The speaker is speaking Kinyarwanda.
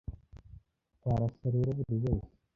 twarasa rero buri wese